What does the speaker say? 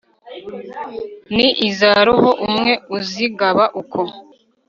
ni iza roho umwe, uzigaba uko